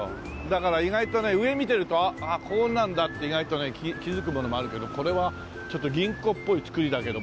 だから意外とね上見てるとああこうなんだって意外とね気づくものもあるけどこれはちょっと銀行っぽい造りだけども古い。